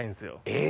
え？